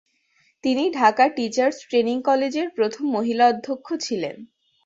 তিনি "Dhaka teachers training কলেজের" প্রথম মহিলা অধ্যক্ষ ছিলেন।